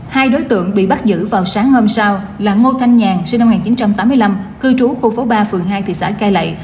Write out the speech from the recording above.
hai đối tượng bị bắt giữ vào sáng hôm sau là ngô thanh nhàn sinh năm một nghìn chín trăm tám mươi năm cư trú khu phố ba phường hai thị xã cai lệ